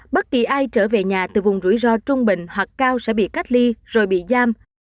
bất kỳ ai trở về nhà từ vùng rủi ro trung bình hoặc cao sẽ bị cách ly rồi bị giam